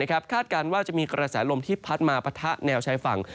คาดการณ์ว่าจะมีกระแสลมที่พัดมาปะทะแนวชายฝั่ง